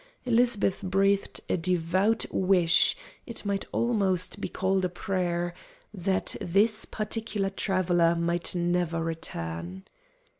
Elizabeth breathed a devout wish it might almost be called a prayer that this particular traveler might never return.